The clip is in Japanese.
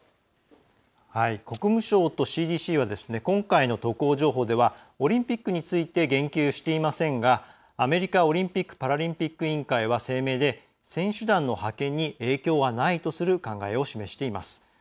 国務省とＣＤＣは今回の渡航情報ではオリンピックについて言及していませんがアメリカオリンピック・パラリンピック委員会は声明で選手団の派遣に影響はないとする考えを示しています。